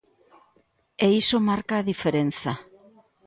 E iso marca a diferenza.